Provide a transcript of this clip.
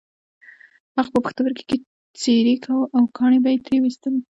هغوی به پښتورګی څیرې کاوه او کاڼي به یې ترې ویستل.